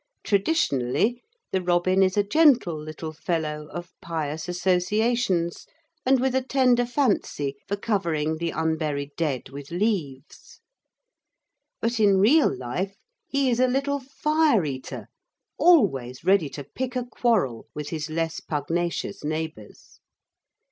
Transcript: Traditionally, the robin is a gentle little fellow of pious associations and with a tender fancy for covering the unburied dead with leaves; but in real life he is a little fire eater, always ready to pick a quarrel with his less pugnacious neighbours.